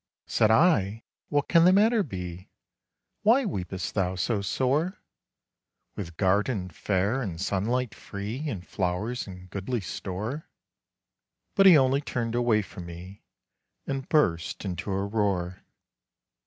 Said I, "What can the matter be? Why weepest thou so sore? With garden fair and sunlight freeAnd flowers in goodly store,"—But he only turned away from meAnd burst into a roar.